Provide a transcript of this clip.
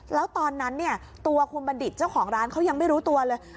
แล้วตอนนั้นเนี่ยตัวคุณบัณฑิตเจ้าของร้านเขายังไม่รู้ตัวเลย